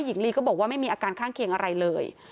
หญิงลีก็บอกว่าไม่มีอาการข้างเคียงอะไรเลย